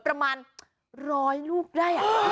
ประมาณร้อยลูกได้